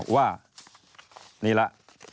ว่านี่ละ